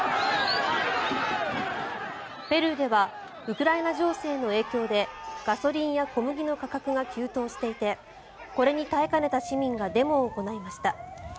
ペルーではウクライナ情勢の影響でガソリンや小麦の価格が急騰していてこれに耐えかねた市民がデモを行いました。